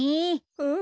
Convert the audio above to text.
うん。